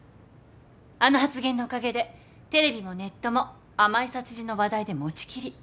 あの発言のおかげでテレビもネットも『甘い殺人』の話題で持ち切り。